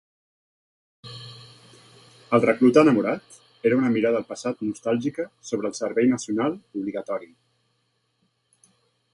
"El recluta enamorat" era una mirada al passat nostàlgica sobre el servei nacional obligatori.